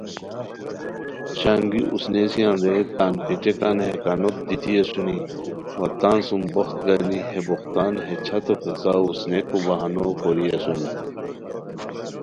چنگی اوسنئیسیان رے تان پیٹیکان ہے کانوتے دیتی اسونی وا تان سوم بوخت گانی ہے بوختان ہے چھتو پیڅھاؤ اوسنئیکو بہانو کوری اسونی